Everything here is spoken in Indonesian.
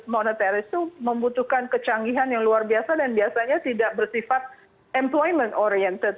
monetaris itu membutuhkan kecanggihan yang luar biasa dan biasanya tidak bersifat employment oriented